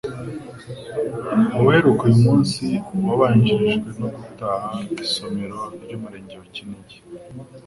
Ubuheruka uyu munsi wabanjirijwe no gutaha isomero ry'Umurenge wa Kinigi